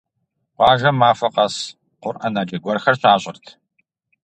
Къуажэм махуэ къэс къурӀэнаджэ гуэрхэр щащӀырт.